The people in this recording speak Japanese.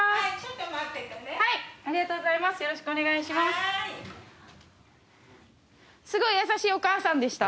すごい優しいお母さんでした。